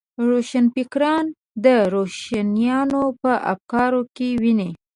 روښانفکري د روښانیانو په افکارو کې وینو.